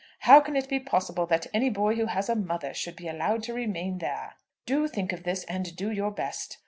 How can it be possible that any boy who has a mother should be allowed to remain there? "Do think of this, and do your best.